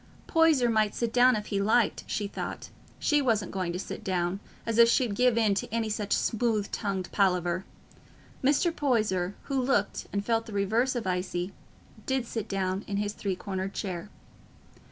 Poyser might sit down if he liked, she thought; she wasn't going to sit down, as if she'd give in to any such smooth tongued palaver. Mr. Poyser, who looked and felt the reverse of icy, did sit down in his three cornered chair.